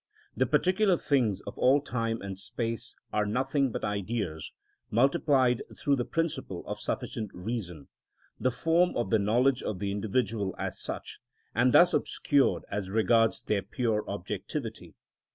The particular things of all time and space are nothing but Ideas multiplied through the principle of sufficient reason (the form of the knowledge of the individual as such), and thus obscured as regards their pure objectivity.